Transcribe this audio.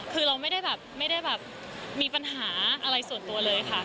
คือเราไม่ได้แบบมีปัญหาอะไรส่วนตัวเลยค่ะ